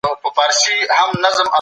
د نړۍ تودوخه مخ په زیاتېدو ده.